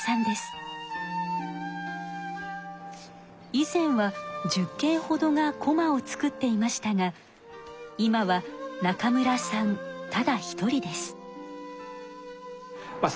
以前は１０けんほどがこまを作っていましたが今は中村さんただ一人です。